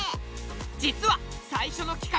実は最初の企画